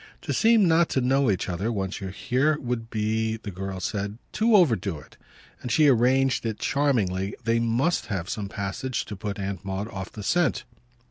"To seem not to know each other once you're here would be," the girl said, "to overdo it"; and she arranged it charmingly that they MUST have some passage to put Aunt Maud off the scent.